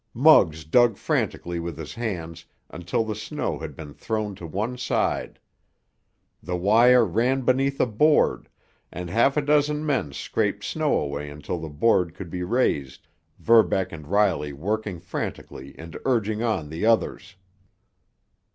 Muggs dug frantically with his hands until the snow had been thrown to one side. The wire ran beneath a board, and half a dozen men scraped snow away until the board could be raised, Verbeck and Riley working frantically and urging on the others.